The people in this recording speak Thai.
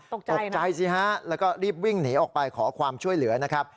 ตกใจสิฮะแล้วก็รีบวิ่งหนีออกไปขอความช่วยเหลือนะครับ